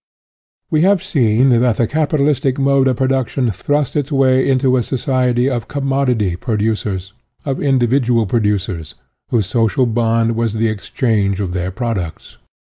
~ We have seen that the capitalistic mode of production thrust its way into a society of commodity producers, of individual pro ducers, whose social bond was the exchange of their products.